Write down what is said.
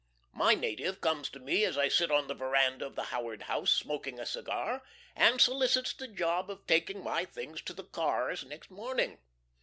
My native comes to me as I sit on the veranda of the Howard House smoking a cigar, and solicits the job of taking my things to the cars next morning.